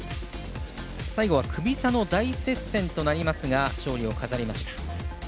最後はクビ差の大接戦となりますが勝利を飾りました。